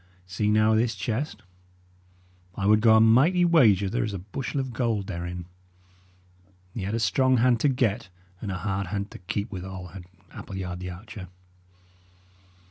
See, now, this chest. I would go a mighty wager there is a bushel of gold therein. He had a strong hand to get, and a hard hand to keep withal, had Appleyard the archer.